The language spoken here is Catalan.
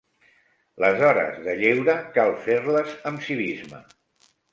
Les hores de lleure cal fer-les amb civisme.